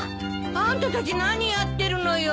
あんたたち何やってるのよ。